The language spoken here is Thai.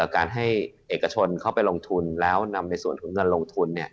การให้เอกชนเข้าไปลงทุนแล้วนำในส่วนของเงินลงทุน